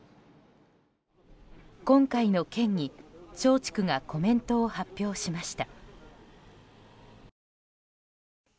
今回の件に、松竹がコメントを発表しました。